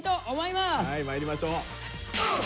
はいまいりましょう。